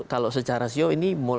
kalau secara ceo ini